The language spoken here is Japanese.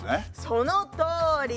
そのとおり！